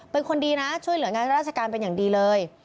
เป็นคนดีนะช่วยเหลืองานราชการเป็นอย่างดีเลย